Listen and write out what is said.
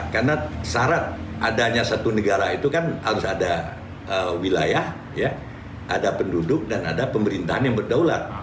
karena syarat adanya satu negara itu kan harus ada wilayah ada penduduk dan ada pemerintahan yang berdaulat